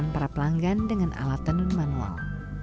dan menelan para pelanggan dengan alat penun manual